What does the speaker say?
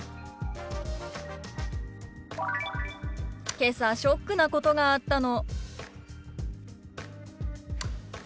「けさショックなことがあったの」。